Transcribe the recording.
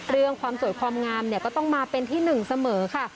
เรื่องความสวยความงามเนี่ยก็ต้องมาเป็นที่หนึ่งเสมอค่ะ